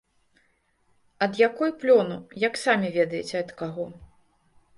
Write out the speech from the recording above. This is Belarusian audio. Ад якой плёну, як самі ведаеце ад каго.